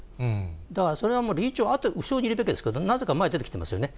だからそれはもう、理事長、後ろにいるべきで、なぜか前に出てきてるんですよね。